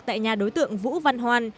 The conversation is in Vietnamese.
tại nhà đối tượng vũ văn hoan